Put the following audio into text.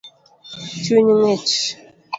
Chuny ngich